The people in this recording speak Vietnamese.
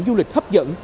du lịch hấp dẫn